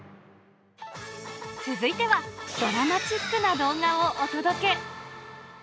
続いては、ドラマチック！な動画をお届け。